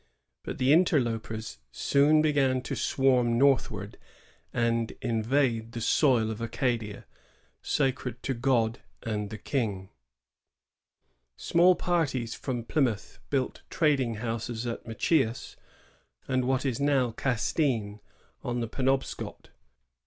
But the interlopers soon began to swarm northward and invade the soil of Acadia, sacred to God and the King. Small parties from Plymouth built trading houses at Machias and at what is now Castine, on the Penobscot.